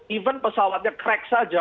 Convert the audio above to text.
even pesawatnya crack saja